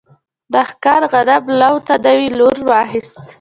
دهقان غنم لو ته نوی لور واخیست.